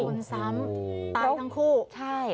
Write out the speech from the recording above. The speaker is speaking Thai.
ชนซ้ำตายทั้งคู่ใช่